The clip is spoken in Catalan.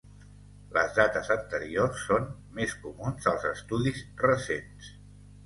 Les dates anteriors són més comuns als estudis recents.